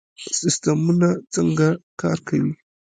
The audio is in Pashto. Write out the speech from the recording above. سیستمونه څنګه کار کوي؟